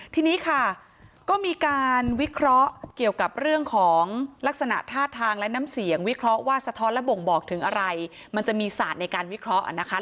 ทีนี้ค่ะก็มีการวิเคราะห์เกี่ยวกับเรื่องของลักษณะท่าทางและน้ำเสียงวิเคราะห์ว่าสะท้อนและบ่งบอกถึงอะไรมันจะมีศาสตร์ในการวิเคราะห์นะคะ